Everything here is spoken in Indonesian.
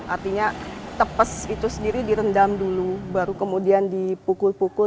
artinya tepes itu sendiri direndam dulu baru kemudian dipukul pukul